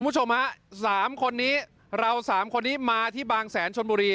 คุณผู้ชมฮะสามคนนี้เราสามคนนี้มาที่บางแสนชนบุรี